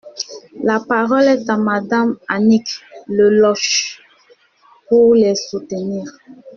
La parole est à Madame Annick Le Loch, pour les soutenir.